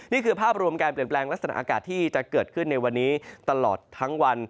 นี่คือภาพรวมการเปลี่ยนแปลงลักษณะอากาศที่จะเกิดขึ้นในวันนี้ตลอดทั้งวัน